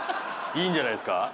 いいんじゃないですか？